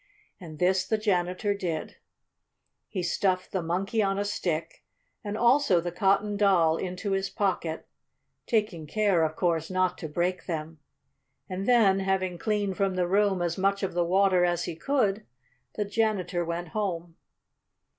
And this the janitor did. He stuffed the Monkey on a Stick, and also the Cotton Doll, into his pocket, taking care, of course, not to break them, and then, having cleaned from the room as much of the water as he could, the janitor went home.